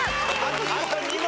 あと２問！